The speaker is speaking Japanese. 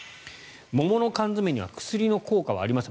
桃の缶詰には薬の効果はありません。